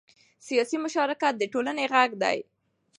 سیاسي مشارکت د ټولنې غږ دی